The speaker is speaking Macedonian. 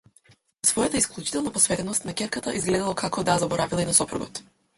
Во својата исклучителна посветеност на ќерката изгледало како да заборавила и на сопругот.